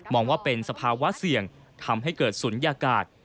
ว่าเป็นสภาวะเสี่ยงทำให้เกิดศูนยากาศ